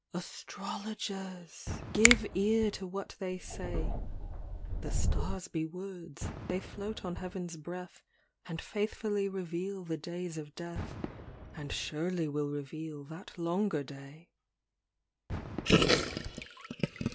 XLVIII Astrologers ! ŌĆö give ear to what they say ! ŌĆ£ Tho stars be words ; they float on heavenŌĆÖs breath And faithfully reveal the days of death, And surely will reveal that longer day.